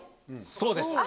そうです